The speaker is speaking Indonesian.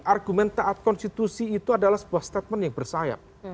argumen taat konstitusi itu adalah sebuah statement yang bersayap